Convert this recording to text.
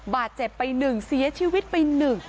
บาดเจ็บไป๑เสียชีวิตไป๑